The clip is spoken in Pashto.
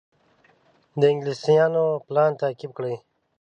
د انګلیسیانو پلان تعقیب کړي.